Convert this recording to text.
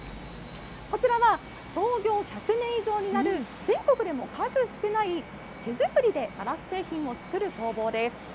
こちらは創業１００年以上になる、全国でも数少ない、手作りでガラス製品を作る工房です。